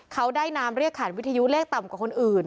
เขาได้นามเรียกขันวิทยุเลขต่ำกว่าคนอื่น